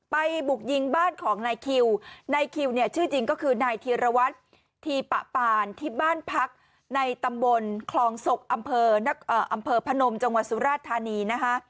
บุกยิงบ้านของนายคิวนายคิวเนี่ยชื่อจริงก็คือนายธีรวัตรทีปะปานที่บ้านพักในตำบลคลองศกอำเภอพนมจังหวัดสุราชธานีนะคะ